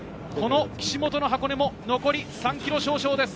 岸本の箱根も残り３ｋｍ少々です。